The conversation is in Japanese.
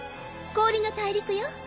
氷の大陸よ。